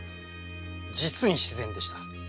実に自然でした。